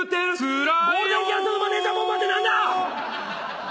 ゴールデンギャル曽根のマネジャーボンバーって何だ⁉